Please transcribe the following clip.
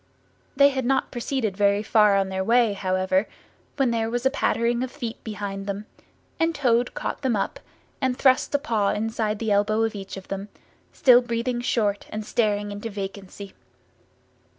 They had not proceeded very far on their way, however, when there was a pattering of feet behind them, and Toad caught them up and thrust a paw inside the elbow of each of them; still breathing short and staring into vacancy.